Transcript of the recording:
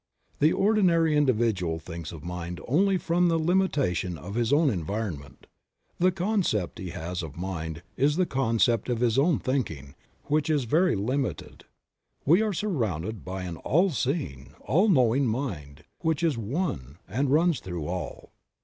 The ordinary individual thinks of mind only from the limitation of his own environment. The concept he has of mind is the concept of his own thinking, which is very limited. We are surrounded by an All Seeing, All Knowing Mind, which is One and runs through all.